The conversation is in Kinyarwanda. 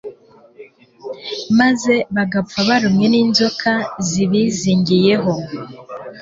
maze bagapfa barumwe n'inzoka zibizingiyeho